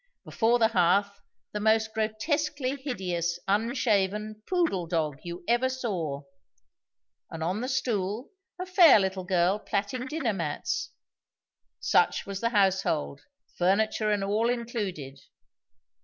Before the hearth the most grotesquely hideous unshaven poodle dog you ever saw; and on the stool a fair little girl plaiting dinner mats. Such was the household furniture and all included.